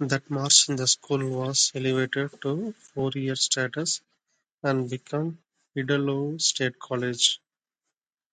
That March, the school was elevated to four-year status and became Idaho State College.